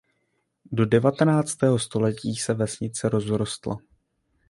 Do devatenáctého století se vesnice rozrostla.